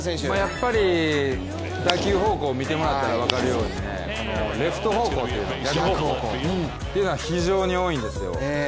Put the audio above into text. やっぱり打球方向を見てもらったら分かるようにレフト方向、逆方向というのが非常に多いんですよ。